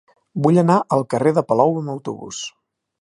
Vull anar al carrer de Palou amb autobús.